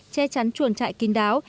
che chắn chuồn chạy kinh đáo